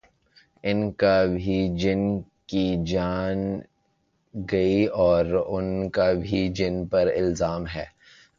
ان کا بھی جن کی جان گئی اوران کا بھی جن پر الزام ہے۔